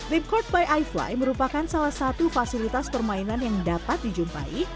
limbcourt by ifly merupakan salah satu fasilitas permainan yang dapat dijumpai